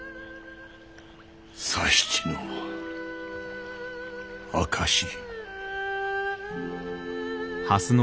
佐七の証し。